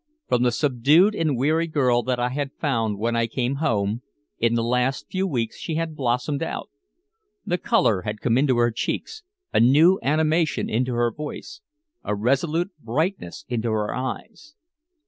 From the subdued and weary girl that I had found when I came home, in the last few weeks she had blossomed out. The color had come into her cheeks, a new animation into her voice, a resolute brightness into her eyes.